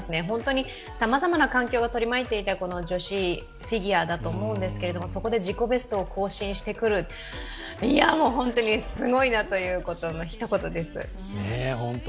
本当にさまざまな環境が取り巻いていた女子フィギュアだと思うんですけれども、そこで自己ベストを更新してくる、本当にすごいなという一言です。